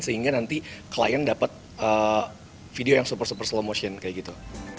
sehingga nanti klien dapat video yang super super slomotion kayak gitu